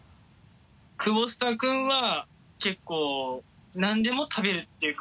久保下君は結構何でも食べるっていうか。